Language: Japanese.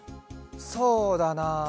そうだな。